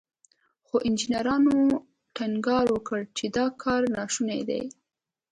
خو انجنيرانو ټينګار وکړ چې دا کار ناشونی دی.